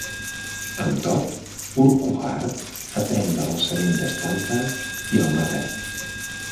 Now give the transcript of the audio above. Amb tot, Urquhart aprèn de l'alçament d'Stamper i el mata.